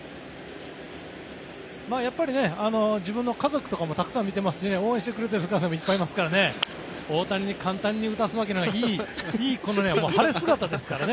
やっぱり自分の家族とかもたくさん見てますし応援してくれている方もいっぱいいますからね大谷に簡単に打たせるわけには晴れ姿ですからね。